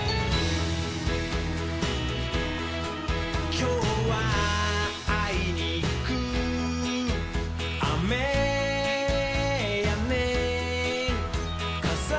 「きょうはあいにくあめやねん」